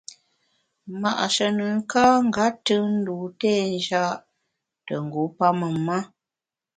Ma’she nùn ka nga tùn ndû té nja’ te ngu pamem ma.